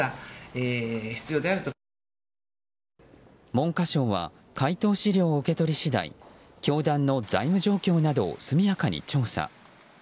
文科省は回答資料を受け取り次第教団の財務状況などを速やかに調査。